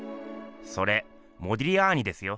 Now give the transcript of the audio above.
それモディリアーニですよ。